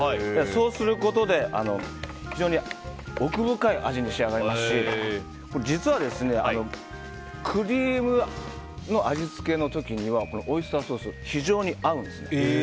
そうすることで非常に奥深い味に仕上がりますし実は、クリームの味付けの時にはオイスターソース非常に合うんですね。